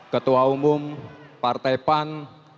ketua umum partai pan